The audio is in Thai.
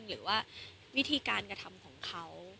หรือว่าวิธีการกระทำของเขา